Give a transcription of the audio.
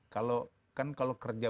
kalau kan kalau kerja